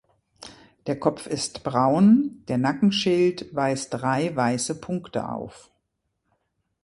Der Kopf ist braun, der Nackenschild weist drei weiße Punkte auf.